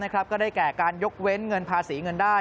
ก็ได้แก่การยกเว้นเงินภาษีเงินได้